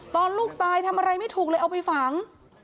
ลูกตายทำอะไรไม่ถูกเลยเอาไปฝัง